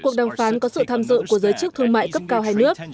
cuộc đàm phán có sự tham dự của giới chức thương mại cấp cao hai nước